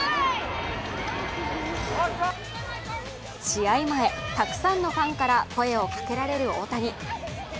試合前、たくさんのファンから声をかけられる大谷。